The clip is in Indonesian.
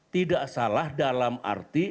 tidak salah dalam arti